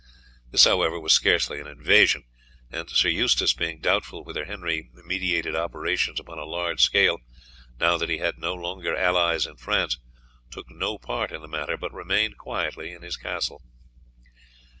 This, however, was scarcely an invasion, and Sir Eustace, being doubtful whether Henry meditated operations upon a large scale now that he had no longer allies in France, took no part in the matter, but remained quietly in his castle.